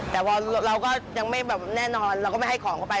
แต่พอเราก็ยังไม่แบบแน่นอนเราก็ไม่ให้ของเข้าไป